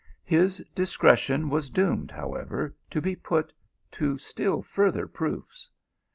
His discre tion was doomed, however, to be put to still further proofs.